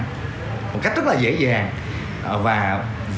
một cách rất là dễ dàng